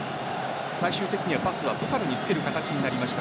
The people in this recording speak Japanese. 最終的にはパスはブファルにつける形になりました。